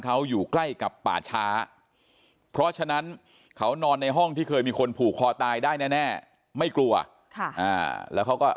เขาอยู่ใกล้กับป่าช้าเพราะฉะนั้นเขานอนในห้องที่เคยมีคนผูกคอตายได้แน่ไม่กลัวค่ะอ่าแล้วเขาก็